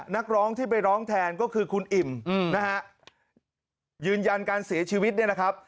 นักร้องที่ไปร้องแทนก็คือคุณอิ่มนะฮะยืนยันการเสียชีวิตเนี่ยนะครับ